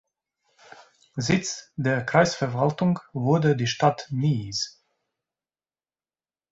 Sitz der Kreisverwaltung wurde die Stadt Mies.